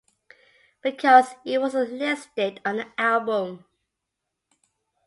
Because it wasn't listed on the album.